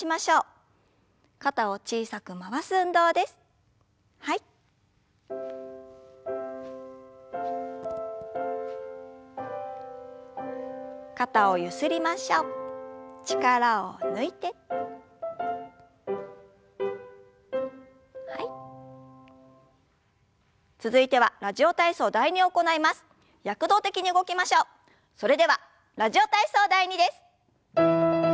それでは「ラジオ体操第２」です。